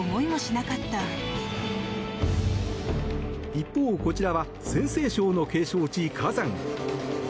一方、こちらは陝西省の景勝地、華山。